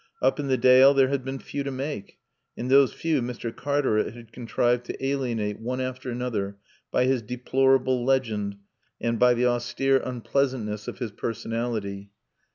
Up in the Dale there had been few to make, and those few Mr. Cartaret had contrived to alienate one after another by his deplorable legend and by the austere unpleasantness of his personality.